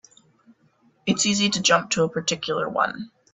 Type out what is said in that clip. It's easy to jump to a particular one.